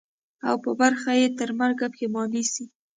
او په برخه یې ترمرګه پښېماني سي.